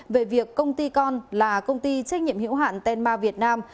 về việc công ty con là công ty trách nhiệm hiểu hạn tenma việt nam